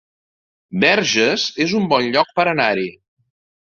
Verges es un bon lloc per anar-hi